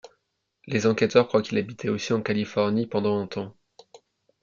Les enquêteurs croient qu’il habitait aussi en Californie pendant un temps.